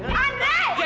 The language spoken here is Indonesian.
ya itu istri gua